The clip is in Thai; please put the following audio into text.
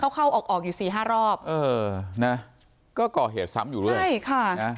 เข้าเข้าออกออกอยู่สี่ห้ารอบเออนะก็ก่อเหตุซ้ำอยู่เรื่อยใช่ค่ะนะ